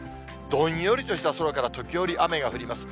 どんよりとした空から時折雨が降ります。